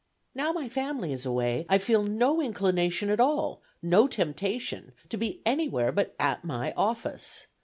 "Now my family is away, I feel no inclination at all, no temptation, to be anywhere but at my office.